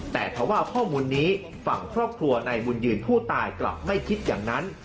แต่ถ้าว่าข้อมูลนี้ฝั่งครอบครัวนายบุญยืนผู้ตายกลับไม่คิดอย่างนั้น